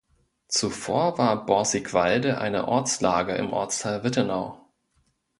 Zuvor war Borsigwalde eine Ortslage im Ortsteil Wittenau.